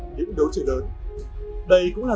những đấu trưởng lớn đây cũng là